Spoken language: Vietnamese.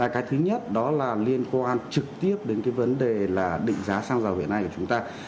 cái thứ nhất đó là liên quan trực tiếp đến cái vấn đề là định giá xăng dầu hiện nay của chúng ta